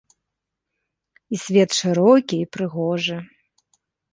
І свет шырокі і прыгожы.